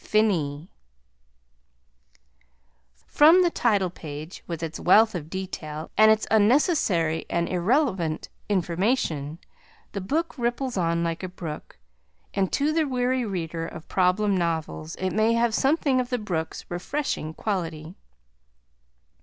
FINIS From the title page, with its wealth of detail, and its unnecessary and irrelevant information, the book ripples on like a brook, and to the weary reader of problem novels it may have something of the brook's refreshing quality.